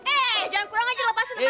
eh eh jangan kurang aja lepasin lepasin